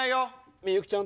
みゆきちゃん